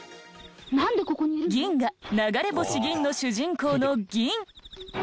『銀牙流れ星銀』の主人公の銀。